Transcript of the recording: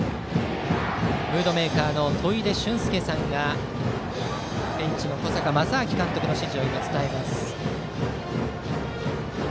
ムードメーカーの砥出隼介さんがベンチの小坂将商監督の指示を伝えます。